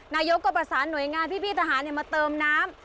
นายกก็ประสานหน่วยงานพี่ทหารมาเติมน้ำ